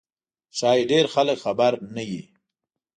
ښایي ډېر خلک خبر نه وي.